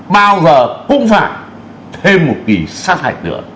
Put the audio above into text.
bao giờ cũng phải thêm một kỳ sát hạch nữa